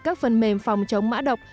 các phần mềm phòng chống mã độc